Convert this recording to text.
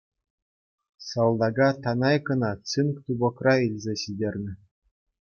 Салтака Танайкӑна цинк тупӑкра илсе ҫитернӗ.